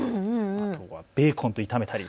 あとはベーコンと炒めたり。